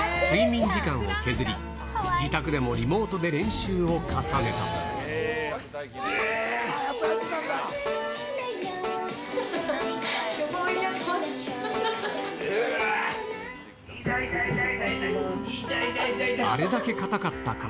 睡眠時間を削り、自宅でもリモートで練習を重ねた。